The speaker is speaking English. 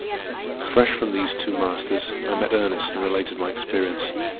Fresh from these two masters, I met Ernest and related my experience.